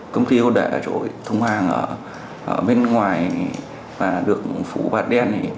công ty đã trộm thùng hàng ở bên ngoài và được phủ bạc đen